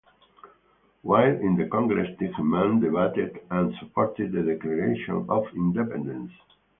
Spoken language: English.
While in the Congress, Tilghman debated and supported the Declaration of Independence.